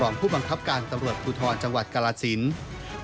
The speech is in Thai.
ผู้บังคับการตำรวจภูทรจังหวัดกรสิน